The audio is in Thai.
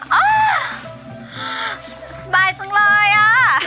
สบายจังเลยอ่ะ